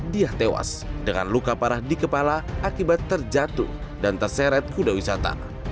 dia tewas dengan luka parah di kepala akibat terjatuh dan terseret kuda wisata